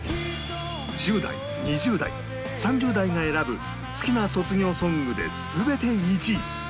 １０代２０代３０代が選ぶ好きな卒業ソングで全て１位